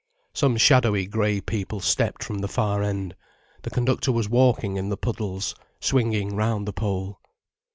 Some shadowy grey people stepped from the far end, the conductor was walking in the puddles, swinging round the pole.